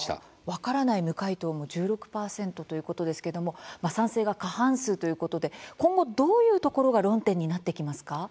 「分からない」「無回答」も１６％ということですけれども「賛成」が過半数ということで今後、どういうところが論点になってきますか。